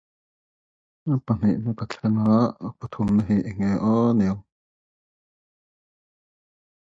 There is some disagreement as to just what errors are "syntax errors".